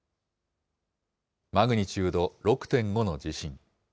マグニチュード６．５の地震。